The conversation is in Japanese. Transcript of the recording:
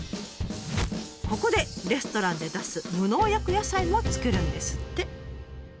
ここでレストランで出す無農薬野菜も作るんですって。